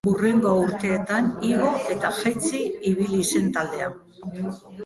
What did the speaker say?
Hurrengo urteetan igo eta jaitsi ibili zen taldea.